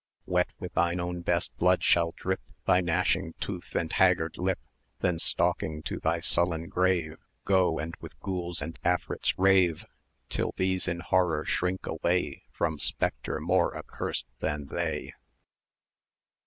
780 Wet with thine own best blood shall drip Thy gnashing tooth and haggard lip; Then stalking to thy sullen grave, Go and with Gouls and Afrits rave; Till these in horror shrink away From Spectre more accursed than they!